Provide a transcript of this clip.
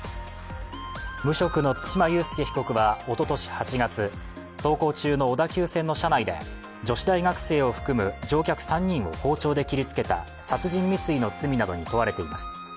無職の対馬悠介被告はおととし８月、走行中の小田急線の車内で女子大学生を含む乗客３人を切りつけた殺人未遂の罪などに問われています。